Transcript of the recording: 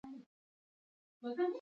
والیبال څو لوبغاړي لري؟